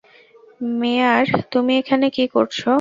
মেয়ার, তুমি এখানে কি করছো?